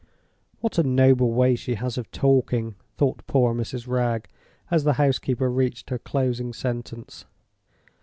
"What a noble way she has of talking!" thought poor Mrs. Wragge, as the housekeeper reached her closing sentence.